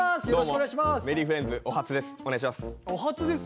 お願いします。